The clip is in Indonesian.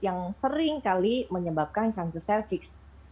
yang sering kali menyebabkan cancer cervix